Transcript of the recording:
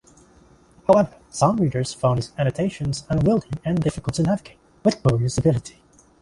However, some readers found these annotations unwieldy and difficult to navigate, with poor usability.